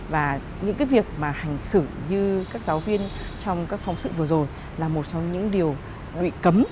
và những cái việc mà hành xử như các giáo viên trong các phóng sự vừa rồi là một trong những điều bị cấm